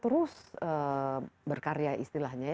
terus berkarya istilahnya